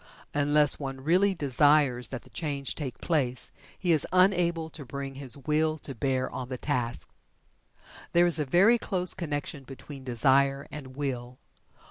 Unless one really desires that the change take place, he is unable to bring his Will to bear on the task. There is a very close connection between Desire and Will.